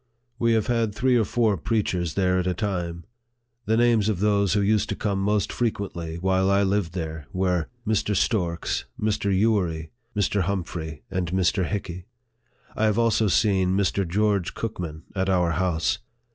We have had three or four preachers there at a time. The names of those who used to come most frequently while I lived there, were Mr. Storks, Mr. Ewery, Mr. Humphry, and Mr. Hickey. I have also seen Mr. George Cookman at our house.